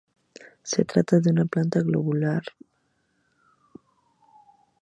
Se trata de una planta globular, que por lo general crece por separado.